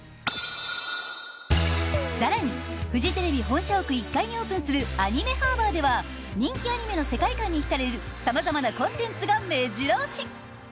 更に、フジテレビ本社屋１階にオープンする「ＡＮＩＭＥＨＡＲＢＯＲ‐アニメハーバー‐」では人気アニメの世界観に浸れるさまざまなコンテンツが目白押し。